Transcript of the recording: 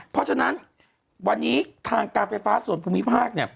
เพราะฉะนั้นวันนี้ทางการไฟฟ้าส่วนภูมิภาคเนี่ย